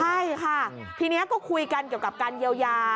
ใช่ค่ะทีนี้ก็คุยกันเกี่ยวกับการเยียวยา